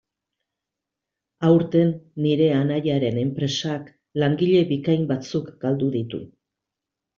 Aurten, nire anaiaren enpresak langile bikain batzuk galdu ditu.